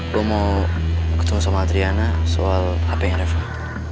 gue mau ketemu sama triana soal hpnya repot